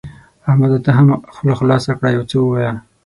احمده ته هم خوله خلاصه کړه؛ يو څه ووايه.